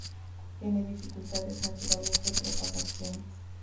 Tiene dificultades naturales de propagación.